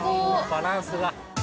バランスが。